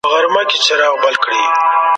د ماشومانو کار کول د هغوی راتلونکی خرابوي.